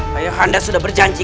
raya handa sudah berjanji